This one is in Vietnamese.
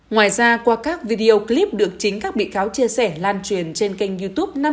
ngoài ra qua các video clip được chính các bị cáo chia sẻ lan truyền trên kênh youtube